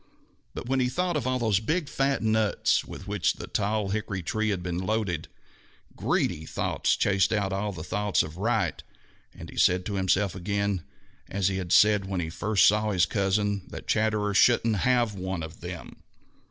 But when he thought of all those big, fat nuts with which the tall hickory tree had been loaded, greedy thoughts chased out all thoughts of right and he said to himself again, as he had said when he first saw his cousin, that Chatterer shouldn't have one of them.